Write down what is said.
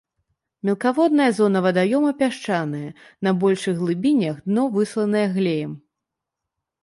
Мелкаводная зона вадаёма пясчаная, на большых глыбінях дно высланае глеем.